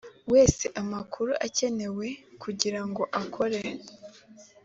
wese amakuru akenewe kugira ngo bakore